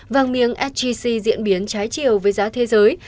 vàng miếng sgc diễn biến trái chiều với giá thế giới